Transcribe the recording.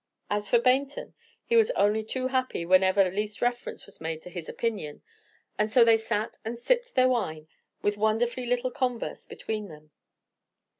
As for Baynton, he was only too happy whenever least reference was made to his opinion, and so they sat and sipped their wine with wonderfully little converse between them.